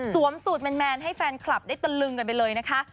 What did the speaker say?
สูตรแมนให้แฟนคลับได้ตะลึงกันไปเลยนะคะ